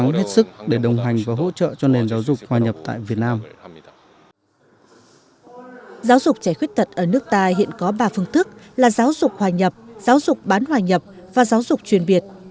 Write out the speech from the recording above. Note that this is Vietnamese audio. giáo dục trẻ khuyết tật ở nước ta hiện có ba phương thức là giáo dục hòa nhập giáo dục bán hòa nhập và giáo dục chuyên biệt